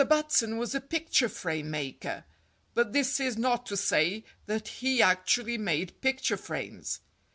BATSON was a picture frame maker; but this is not to say that he actually made picture frames.